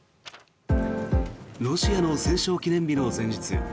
ロシアの戦勝記念日の前日